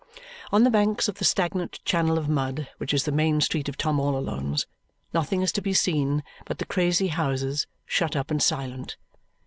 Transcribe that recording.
On the banks of the stagnant channel of mud which is the main street of Tom all Alone's, nothing is to be seen but the crazy houses, shut up and silent.